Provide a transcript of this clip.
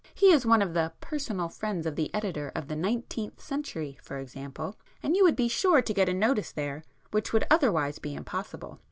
He is one of the 'personal friends' of the editor of the Nineteenth Century for example, and you would be sure to get a notice there, which would otherwise be impossible.